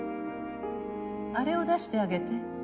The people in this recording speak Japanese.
あれを出してあげて。